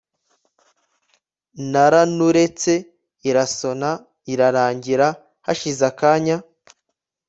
Naranuretse irasona irarangira hashize akanya